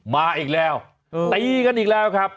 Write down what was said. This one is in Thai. มาอีกแล้วตีกันอีกแล้วครับ